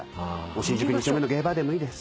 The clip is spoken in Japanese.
新宿二丁目のゲイバーでもいいです。